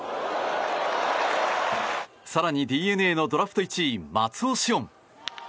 更に、ＤｅＮＡのドラフト１位松尾汐恩。